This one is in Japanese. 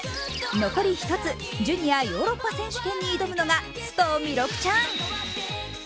残り１つ、ジュニアヨーロッパ選手権に挑むのが須藤弥勒ちゃん。